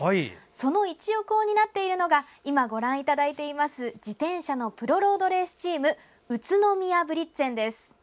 その一翼を担っているのが自転車のプロロードレースチーム宇都宮ブリッツェンです。